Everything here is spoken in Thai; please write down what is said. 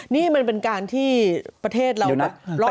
นี่มันเป็นการที่ประเทศเราแบบ